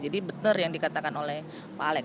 jadi betul yang dikatakan oleh pak alek